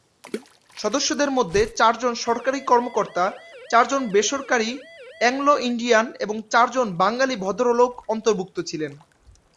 সদস্যদের মধ্যে চারজন সরকারি কর্মকর্তা, চারজন বেসরকারী অ্যাংলো-ইন্ডিয়ান এবং চারজন বাঙালি ভদ্রলোক অন্তর্ভুক্ত ছিলেন।